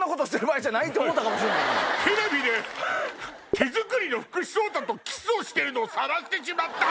「テレビで手作りの福士蒼汰とキスをしてるのをさらしてしまった」。